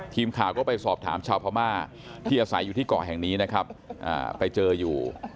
ทีมข่าวก็ไปสอบถามชาวพม่าที่อาศัยอยู่ที่เกาะแห่งนี้นะครับไปเจออยู่